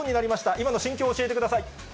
今の心境を教えてください。